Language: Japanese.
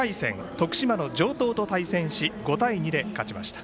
徳島の城東と対戦し５対２で勝ちました。